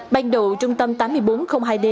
ban đầu trung tâm tám nghìn bốn trăm linh hai d